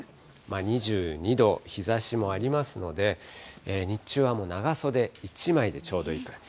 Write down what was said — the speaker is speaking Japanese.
２２度、日ざしもありますので、日中はもう長袖１枚でちょうどいいくらい。